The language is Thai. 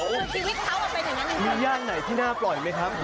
พลอยไหมครับ